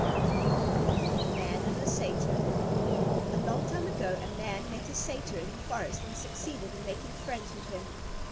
_ THE MAN AND THE SATYR A long time ago a Man met a Satyr in the forest and succeeded in making friends with him.